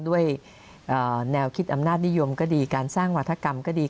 ด้วยแนวคิดอำนาจนิยมก็ดีการสร้างวัฒกรรมก็ดี